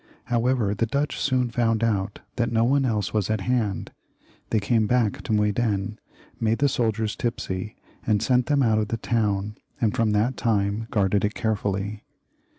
However, the Dutch soon found out that no one else was at hand ; they came back to Muyden, made the soldiers tipsy, and sent them out of the town, and from that time guarded it carefully.